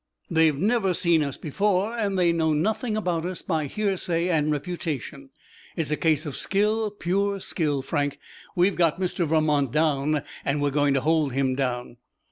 They've never seen us before, and they know nothing about us by hearsay and reputation. It's a case of skill, pure skill, Frank. We've got Mr. Vermont down, and we're going to hold him down."